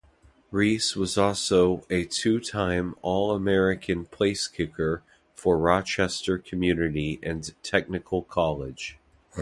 Rhys was also a two-time All-American placekicker for Rochester Community and Technical College.